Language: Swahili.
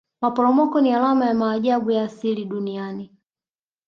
maporomoko ni alama ya maajabu ya asili duniani